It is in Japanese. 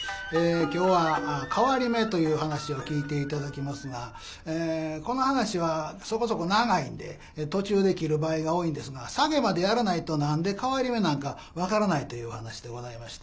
今日は「替り目」という噺を聴いていただきますがこの噺はそこそこ長いんで途中で切る場合が多いんですがサゲまでやらないと何で替り目なんか分からないというお噺でございまして。